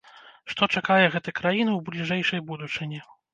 Што чакае гэты краіну ў бліжэйшай будучыні?